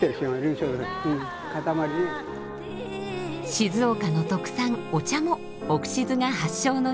静岡の特産お茶もオクシズが発祥の地です。